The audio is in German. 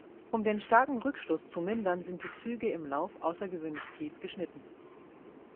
Um den starken Rückstoß zu mindern, sind die Züge im Lauf außergewöhnlich tief geschnitten.